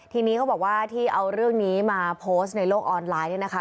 ทีนี้เขาบอกว่าที่เอาเรื่องนี้มาโพสต์ในโลกออนไลน์เนี่ยนะคะ